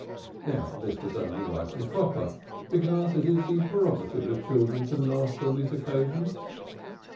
Now this was only right and proper, because it is the prerogative of children to "nash" on these occasions.